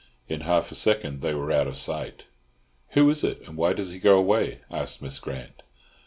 In half a second they were out of sight. "Who is it? and why does he go away?" asked Miss Grant.